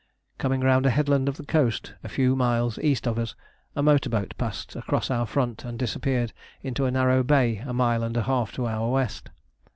Coming round a headland of the coast, a few miles east of us, a motor boat passed across our front and disappeared into a narrow bay a mile and a half to our west.